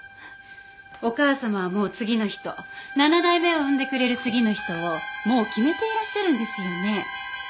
お義母様はもう次の人７代目を産んでくれる次の人をもう決めていらっしゃるんですよね？